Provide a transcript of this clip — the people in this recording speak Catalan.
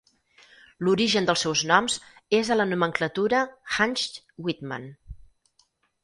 L'origen dels seus noms és a la nomenclatura Hantzch-Widman.